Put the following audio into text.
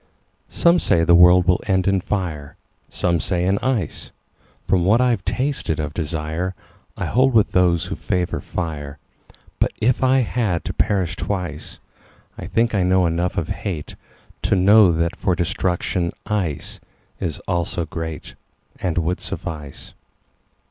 SOME say the world will end in fire, Some say in ice. From what I've tasted of desireI hold with those who favor fire. But if it had to perish twice,I think I know enough of hateTo know that for destruction iceIs also greatAnd would suffice.